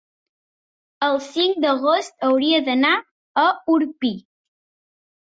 el cinc d'agost hauria d'anar a Orpí.